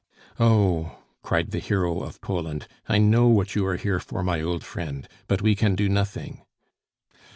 "Oh," cried the hero of Poland, "I know what you are here for, my old friend! But we can do nothing."